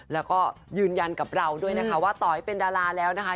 แล้วก็ยืนยันกับเราด้วยนะคะว่าต่อให้เป็นดาราแล้วนะคะ